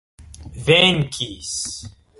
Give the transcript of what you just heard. venkis